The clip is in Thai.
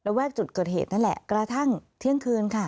แวกจุดเกิดเหตุนั่นแหละกระทั่งเที่ยงคืนค่ะ